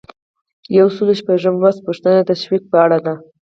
یو سل او شپږلسمه پوښتنه د تشویق په اړه ده.